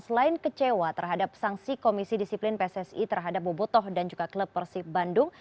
selain kecewa terhadap sanksi komisi disiplin pssi terhadap bobotoh dan juga klub persib bandung